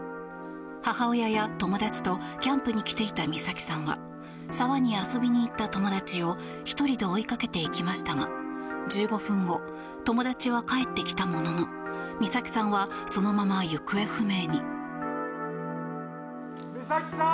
母親や友達とキャンプに来ていた美咲さんは沢に遊びに行った友達を１人で追いかけていきましたが１５分後友達は帰ってきたものの美咲さんはそのまま行方不明に。